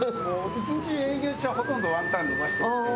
一日中営業中はほとんどワンタン伸ばしてるんで。